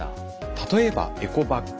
例えばエコバッグ。